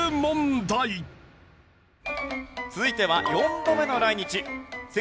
続いては４度目の来日